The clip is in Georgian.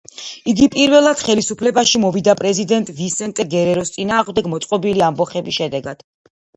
იგი პირველად ხელისუფლებაში მოვიდა პრეზიდენტ ვისენტე გერეროს წინააღმდეგ მოწყობილი ამბოხების შედეგად.